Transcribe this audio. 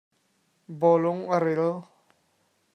Bawlung a ril.